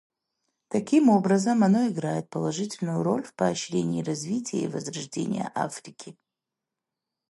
Таким образом, оно играет положительную роль в поощрении развития и возрождении Африки.